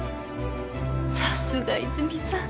さすが泉さん。